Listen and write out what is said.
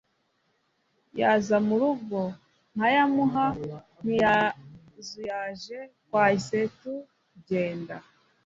yaza murugo nkayamuha ntiyazuyaje twahise tujyenda